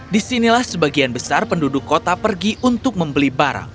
disinilah sebagian besar penduduk kota pergi untuk membeli barang